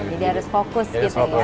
jadi harus fokus gitu ya